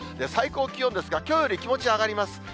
最高気温ですが、きょうより気持ち上がります。